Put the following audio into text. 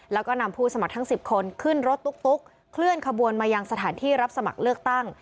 แล้วก็นำผู้สมัครทั้ง๑๐คนขึ้นรถตุ๊กเคลื่อนขบวนมายังสถานที่รับสมัครเลือกตั้ง